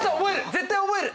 絶対覚える！